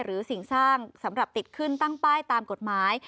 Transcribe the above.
สิ่งสร้างสำหรับติดขึ้นตั้งป้ายตามกฎหมาย